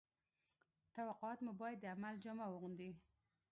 توقعات مو باید د عمل جامه واغوندي